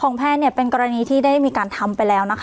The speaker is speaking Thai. แพทย์เป็นกรณีที่ได้มีการทำไปแล้วนะคะ